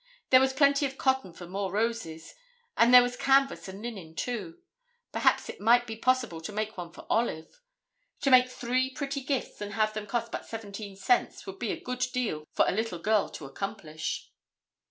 There was plenty of cotton for more roses and there were canvas and linen, too. Perhaps it might be possible to make one for Olive. To make three pretty gifts and have them cost but seventeen cents would be a good deal for a little girl to accomplish.